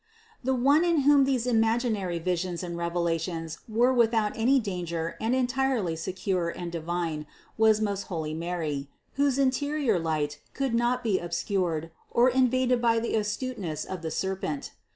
638. The one in whom these imaginary visions and revelations were without any danger and entirely secure and divine, was most holy Mary, whose interior light could not be obscured or invaded by the astuteness of the serpent.